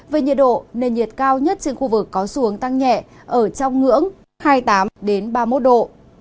về nhiệt độ nền nhiệt cao nhất trên khu vực có xu hướng tăng nhẹ ở trong ngưỡng hai mươi tám đến ba mươi một độ